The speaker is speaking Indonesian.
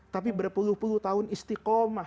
tapi berpuluh puluh tahun istiqomah